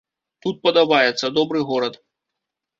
Тут падабаецца, добры горад.